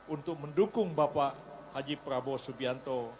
untuk mendukung bapak haji prabowo subianto